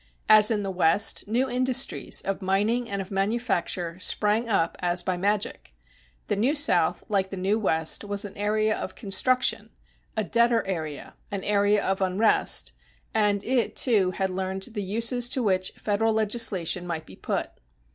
As in the West, new industries, of mining and of manufacture, sprang up as by magic. The New South, like the New West, was an area of construction, a debtor area, an area of unrest; and it, too, had learned the uses to which federal legislation might be put.